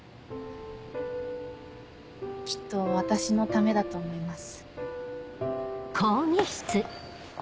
きっと私のためだと思います。